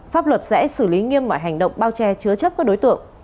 pháp luật sẽ xử lý nghiêm mọi hành động bao che chứa chấp các đối tượng